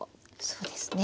そうですね。